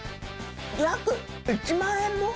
約１万円も？